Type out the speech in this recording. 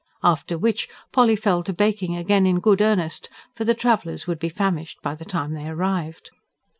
After which Polly fell to baking again in good earnest; for the travellers would be famished by the time they arrived.